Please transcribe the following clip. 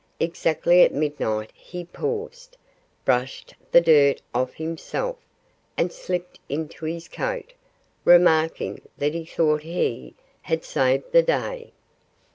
Exactly at midnight he paused, brushed the dirt off himself, and slipped into his coat, remarking that he thought he "had saved the day."